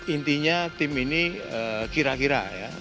intinya tim ini kira kira ya